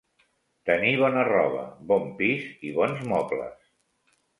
Tenir bona roba, bon pis i bons mobles;